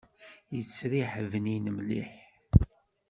Yettriḥ bnin mliḥ.